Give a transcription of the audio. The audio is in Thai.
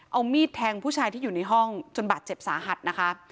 เอามีดแทงผู้ชายที่อยู่ในห้องจนบาดเจ็บสาหัสนะคะ